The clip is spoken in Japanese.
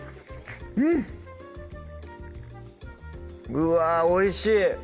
うわおいしい！